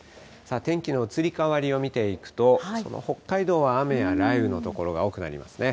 天気の移り変わりを見ていくと、その北海道は雨や雷雨の所が多くなりますね。